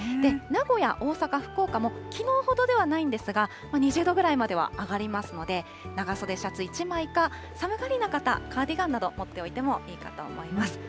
名古屋、大阪、福岡も、きのうほどではないんですが、２０度ぐらいまでは上がりますので、長袖シャツ１枚か、寒がりな方、カーディガンなど持っておいてもいいかと思います。